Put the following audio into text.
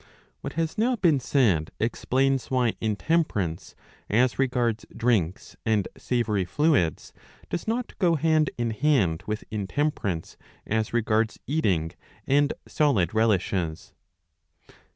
What has now been said explains why intemperance as regards drinks and savoury fluids does not go hand in hand with intemperance as regards eating and solid relishes.